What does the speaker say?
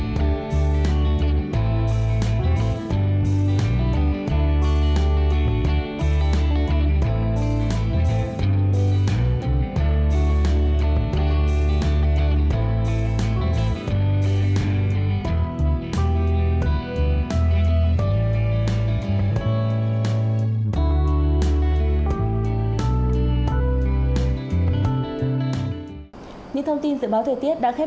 đăng ký kênh để ủng hộ kênh mình nhé